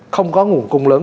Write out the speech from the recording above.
không có nguồn cung lớn